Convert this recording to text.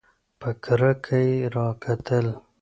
په کرکه یې راکتل !